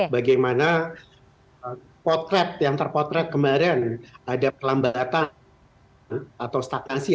bagaimana potret yang terpotret kemarin ada perlambatan atau stagnasi